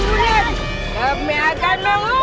kami akan menghukummu